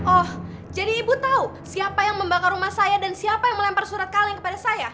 oh jadi ibu tahu siapa yang membakar rumah saya dan siapa yang melempar surat kaleng kepada saya